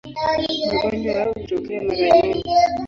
Magonjwa hayo hutokea mara nyingi.